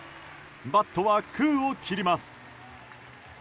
バットは空を切ります。